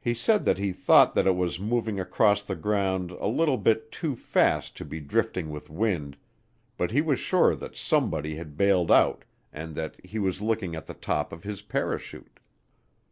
He said that he thought that it was moving across the ground a little bit too fast to be drifting with wind, but he was sure that somebody had bailed out and that he was looking at the top of his parachute.